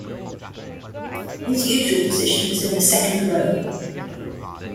His usual position was in the second row.